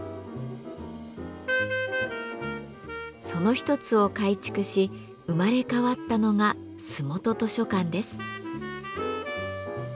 その一つを改築し生まれ変わったのが洲本図書館です。